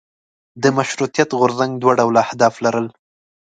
د مشروطیت غورځنګ دوه ډوله اهداف لرل.